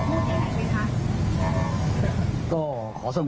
นักภิกษ์นี่กับคุณเขาพูดอย่างไรไหมคะ